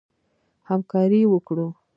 همکاري وکړو.